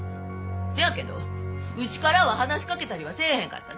せやけどうちからは話しかけたりはせえへんかったで。